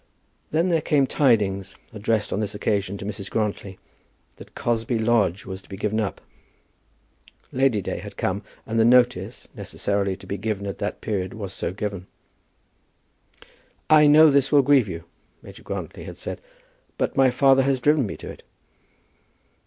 Then there came tidings, addressed on this occasion to Mrs. Grantly, that Cosby Lodge was to be given up. Lady day had come, and the notice, necessarily to be given at that period, was so given. "I know this will grieve you," Major Grantly had said, "but my father has driven me to it."